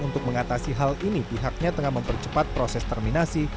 untuk mengatasi hal ini pihaknya tengah mempercepat proses terminasi